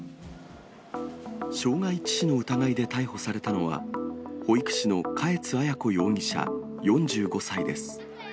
傷害致死の疑いで逮捕されたのは、保育士の嘉悦彩子容疑者４５歳です。